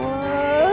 lihat ada siapa yuk